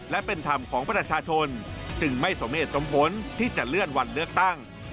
และเป็นธรรมของประชาชนจึงไม่สมเหตุสมผลที่จะเลื่อนวันเลือกตั้ง